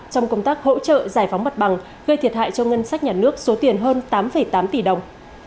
trong công tác hỗ trợ giải phóng mặt bằng gây thiệt hại cho ngân sách nhà nước số tiền hơn tám tám tỷ đồng